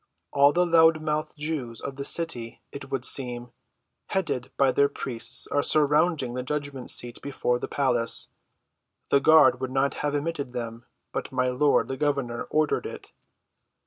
"All the loud‐mouthed Jews of the city, it would seem, headed by their priests, are surrounding the judgment‐seat before the palace. The guard would not have admitted them; but my lord, the governor, ordered it."